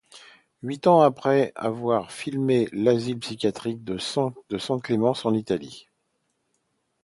Huit ans après avoir filmé l'asile psychiatrique de San Clemente en Italie.